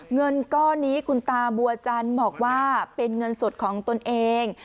เงินก้อนนี้คุณตาบัวจันทร์บอกว่าเป็นเงินสดของตนเอง